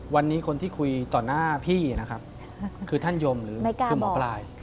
วันนี้คนที่คุยต่อหน้าพี่นะครับคือท่านยมหรือคือหมอปลาย